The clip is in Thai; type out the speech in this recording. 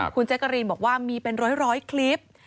คุณแจ๊กกะรีนบอกว่ามีเป็นร้อยคลิป